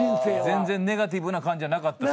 全然ネガティブな感じじゃなかった。